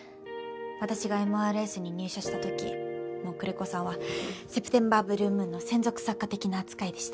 私がＭＲＳに入社した時もう久連木さんは『ＳｅｐｔｅｍｂｅｒＢｌｕｅＭｏｏｎ』の専属作家的な扱いでしたから。